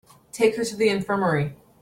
Take her to the infirmary.